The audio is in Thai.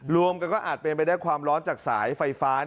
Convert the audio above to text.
รวมกันก็อาจเป็นไปได้ความร้อนจากสายไฟฟ้า